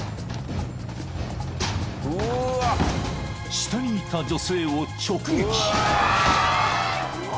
［下にいた女性を直撃］